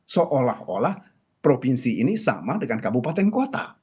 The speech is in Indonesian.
seolah olah provinsi ini sama dengan kabupaten kota